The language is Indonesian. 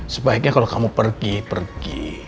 sebaiknya kalau kamu pergi pergi